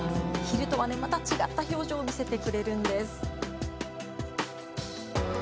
昼とは、また違った表情を見せてくれるんです。